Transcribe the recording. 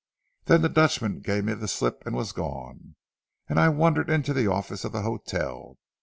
"Then the Dutchman gave me the slip and was gone, and I wandered into the office of the hotel.